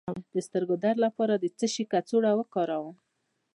د سترګو درد لپاره د څه شي کڅوړه وکاروم؟